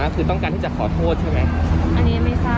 เป็นปีก็เป็นปีค่ะ